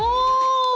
お！